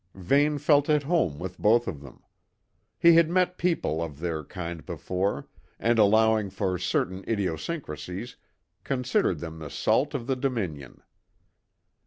Vane felt at home with both of them. He had met people of their kind before, and, allowing for certain idiosyncrasies, considered them the salt of the Dominion.